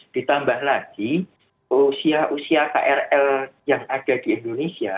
ditambah lagi usia usia krl yang ada di indonesia